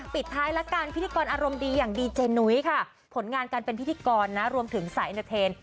ปิดท้ายละกันพิธีกรอารมณ์ดีอย่างดีเจนุ้ยค่ะผลงานการเป็นพิธีกรนะรวมถึงสายเอ็นเตอร์เทน